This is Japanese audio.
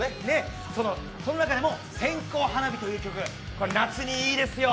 その中でも「線香花火」という曲、夏にいいですよ。